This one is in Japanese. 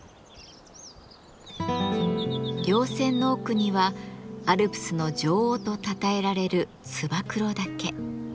稜線の奥にはアルプスの女王とたたえられる燕岳。